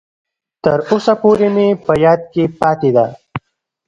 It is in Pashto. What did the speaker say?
تر اوسه پورې مې په یاد کې پاتې ده.